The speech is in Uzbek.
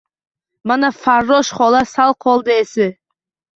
Mana, farrosh xola, sal qoldi esi –